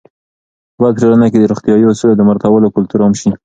باید په ټولنه کې د روغتیايي اصولو د مراعاتولو کلتور عام شي.